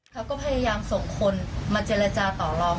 เขาก็พยายามส่งคนมาเจรจาต่อลอง